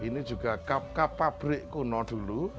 ini juga kap kap pabrik kuno dulu